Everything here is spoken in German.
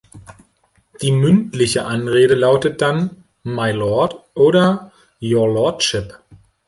Die mündliche Anrede lautet dann „"My Lord"“ oder „"Your Lordship"“.